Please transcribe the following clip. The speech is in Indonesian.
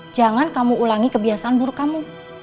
jangan kamu ulangi kebiasaan buruk kamu